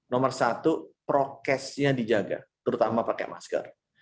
nomor satu prokesnya dijaga terutama pakai masker